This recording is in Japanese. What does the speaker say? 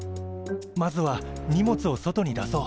まずは荷物を外に出そう。